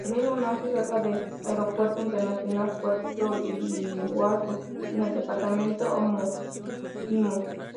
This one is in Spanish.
El mismo nace cerca del aeropuerto Internacional Puerto Iguazú, en el departamento homónimo.